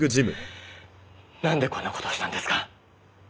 なんでこんな事をしたんですか？